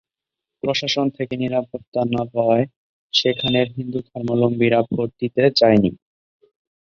প্রশাসন থেকে নিরাপত্তা না পাওয়ায় সেখানের হিন্দু ধর্মাবলম্বীরা ভোট দিতে যায়নি।